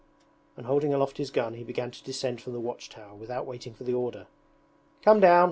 and holding aloft his gun he began to descend from the watch tower without waiting for the order. 'Come down!'